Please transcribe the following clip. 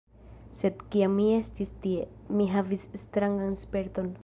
Sed, kiam mi estis tie, mi havis strangan sperton: